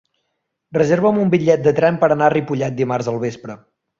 Reserva'm un bitllet de tren per anar a Ripollet dimarts al vespre.